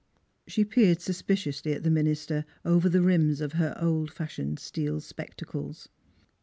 She peered suspiciously at the minister over the rims of her old fashioned steel spectacles.